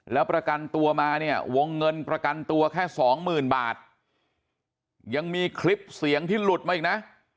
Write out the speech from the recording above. แล้วประกันตัวมาเนี่ยวงเงินประกันตัวแค่สองหมื่นบาทยังมีคลิปเสียงที่หลุดมาอีกนะ